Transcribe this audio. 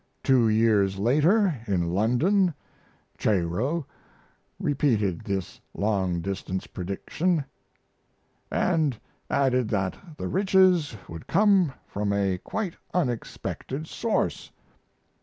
Two years later in London Cheiro repeated this long distance prediction, & added that the riches would come from a quite unexpected source.